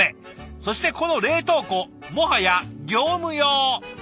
そしてこの冷凍庫もはや業務用！